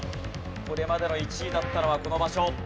これまでの１位だったのはこの場所。